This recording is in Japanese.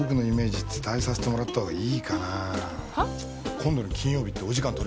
今度の金曜日ってお時間取れます？